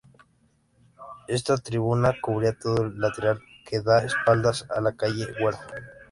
Esta tribuna cubría todo el lateral que da espaldas a la calle Huergo.